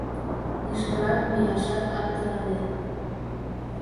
Лишкырак мияшат аптыранет.